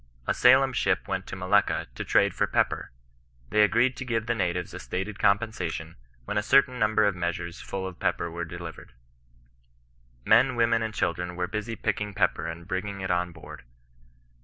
A Salem ship went to Malacca to trade for pepper. They agreed to give the natives a stated compensation, when a certain number of measures full of pepper were de livered. " Men, women, and children were busy picking pepper and bringing it on board.